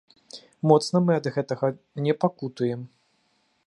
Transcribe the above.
Моцна мы ад гэтага не пакутуем.